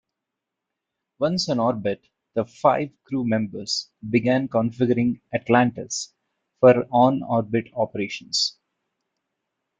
Once on orbit, the five crew members began configuring "Atlantis" for on-orbit operations.